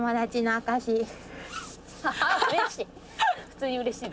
あうれしい！